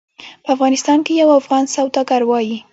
په افغانستان کې یو افغان سوداګر وایي.